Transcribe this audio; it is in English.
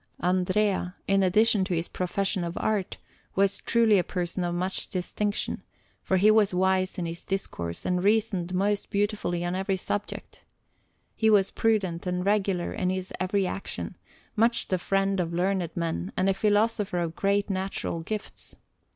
Andrea, in addition to his profession of art, was truly a person of much distinction, for he was wise in his discourse, and reasoned most beautifully on every subject. He was prudent and regular in his every action, much the friend of learned men, and a philosopher of great natural gifts.